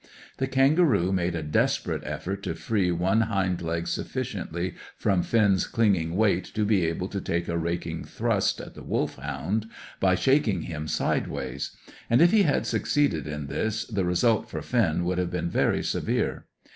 The kangaroo made a desperate effort to free one hind leg sufficiently from Finn's clinging weight to be able to take a raking thrust at the Wolfhound, by shaking him sideways; and if he had succeeded in this, the result for Finn would have been very severe.